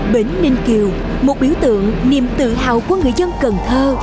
bến ninh kiều một biểu tượng niềm tự hào của người dân cần thơ